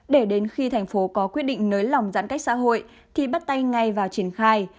để đến khi thành phố có quyết định nới lỏng giãn cách xã hội thì bắt tay ngay vào triển khai